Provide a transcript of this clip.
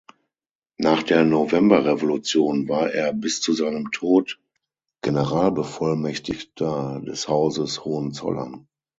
Nach der Novemberrevolution war er bis zu seinem Tod Generalbevollmächtigter des Hauses Hohenzollern.